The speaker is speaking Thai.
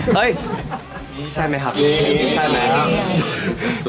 เฮ้ยใช่ไหมครับใช่ไหมครับ